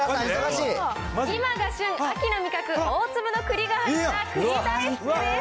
今が旬、秋の味覚、大粒の栗が入った栗大福です。